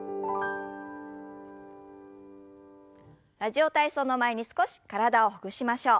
「ラジオ体操」の前に少し体をほぐしましょう。